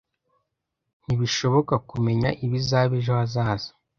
Ntibishoboka kumenya ibizaba ejo hazaza.